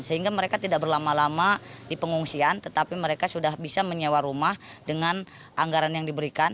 sehingga mereka tidak berlama lama di pengungsian tetapi mereka sudah bisa menyewa rumah dengan anggaran yang diberikan